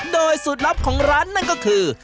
โดยสูตรลับของร้านนั่นก็คือ